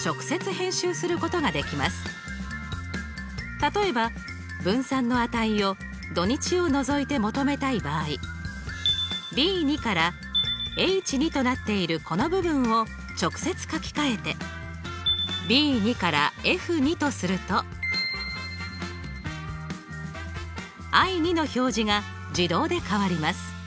例えば分散の値を土日を除いて求めたい場合Ｂ２からＨ２となっているこの部分を直接書き換えてＢ２からＦ２とするとＩ２の表示が自動で変わります。